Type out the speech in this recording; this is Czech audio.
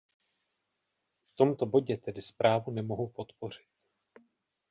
V tomto bodě tedy zprávu nemohu podpořit.